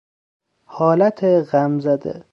حالت غمزده